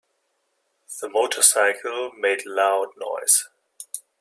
The motorcycle made loud noise.